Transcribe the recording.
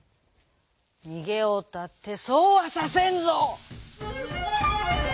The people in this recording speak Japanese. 「にげようったってそうはさせんぞ」。